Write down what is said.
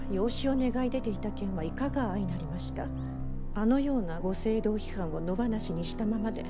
あのようなご政道批判を野放しにしたままで。